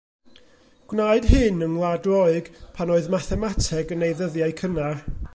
Gwnaed hyn yng Ngwlad Roeg, pan oedd mathemateg yn ei ddyddiau cynnar.